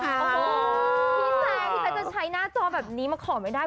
พี่แซคพี่แจ๊จะใช้หน้าจอแบบนี้มาขอไม่ได้